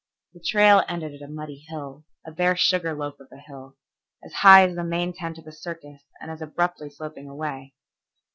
The trail ended at a muddy hill, a bare sugar loaf of a hill, as high as the main tent of a circus and as abruptly sloping away.